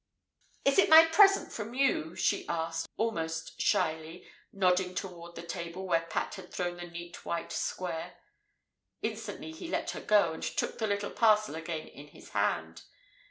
"Is it my present from you?" she asked, almost shyly, nodding toward the table where Pat had thrown the neat white square. Instantly he let her go, and took the little parcel again in his hand.